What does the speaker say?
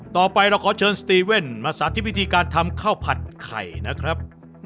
ต่อไปเราขอเชิญสตรีเว่นมาสาธิตวิธีการทำข้าวผัดไข่นะครับ